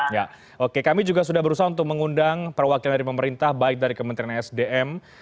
ya oke kami juga sudah berusaha untuk mengundang perwakilan dari pemerintah baik dari kementerian sdm